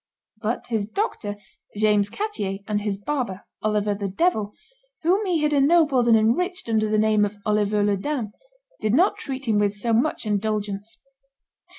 But his doctor, James Coettier, and his barber, Oliver the Devil, whom he had ennobled and enriched under the name of Oliver le Daim, did not treat him with so much indulgence.